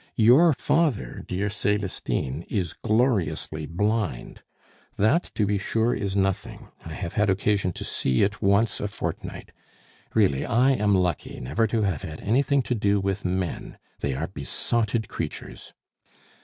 Your father, dear Celestine, is gloriously blind. That, to be sure, is nothing; I have had occasion to see it once a fortnight; really, I am lucky never to have had anything to do with men, they are besotted creatures.